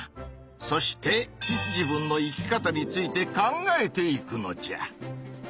そして自分の生き方について考えていくのじゃ。